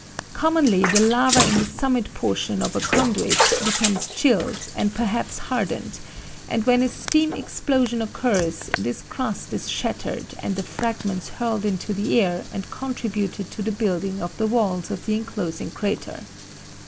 Commonly the lava in the summit portion of a conduit becomes chilled and perhaps hardened, and when a steam explosion occurs this crust is shattered and the fragments hurled into the air and contributed to the building of the walls of the inclosing crater.